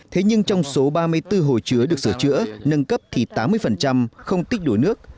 thế nhưng trong số ba mươi bốn hồ chứa được sửa chữa nâng cấp thì tám mươi không tích đủ nước